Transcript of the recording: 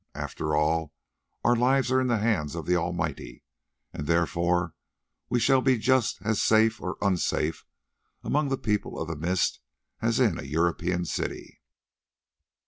After all our lives are in the hands of the Almighty, and therefore we shall be just as safe, or unsafe, among the People of the Mist as in a European city.